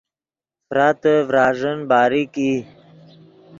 فراتے ڤراݱین باریک ای